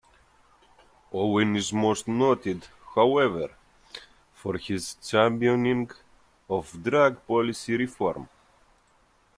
Owen is most noted, however, for his championing of drug policy reform.